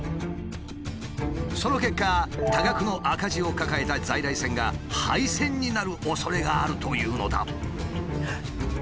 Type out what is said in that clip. その結果多額の赤字を抱えた在来線が廃線になるおそれがあるというのだ。